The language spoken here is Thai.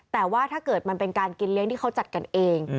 แต่ว่าถ้าเกิดมันเป็นการกินเลี้ยงที่เขาจัดกันเอง